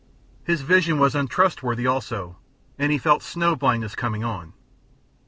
His vision was untrustworthy, also, and he felt snow blindness coming on.